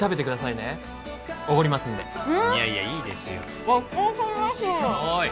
いやいやいいですよおい